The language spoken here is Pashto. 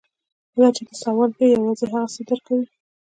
کله چې ته سوال کوې یوازې هغه څه درکوي